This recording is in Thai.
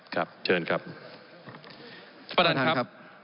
ครับเชิญครับท่านประธานครับ